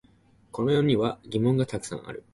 この世の中には疑問がたくさんある